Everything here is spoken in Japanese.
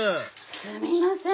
すみません